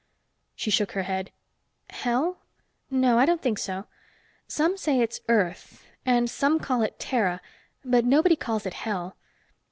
She shook her head. "Hell? No, I don't think so. Some say it's Earth and some call it Terah, but nobody calls it Hell.